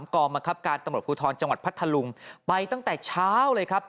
กองบังคับการตำรวจภูทรจังหวัดพัทธลุงไปตั้งแต่เช้าเลยครับ